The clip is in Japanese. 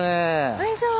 よいしょ。